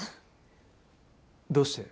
どうして？